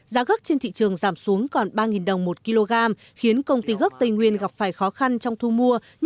giá gốc trên thị trường giảm xuống còn ba đồng một kg khiến công ty gốc tây nguyên gặp phải khó khăn trong thu mua